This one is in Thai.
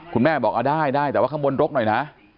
คุณแม่บอกได้ได้แต่ว่าข้างบนรกหน่อยนะ